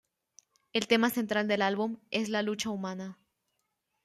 El tema central del álbum es la lucha humana.